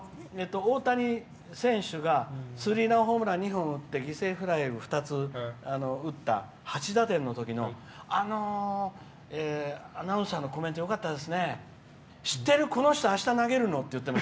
大谷選手がスリーランホームラン２つ打った、８打点のときのアナウンサーのコメントよかったですね。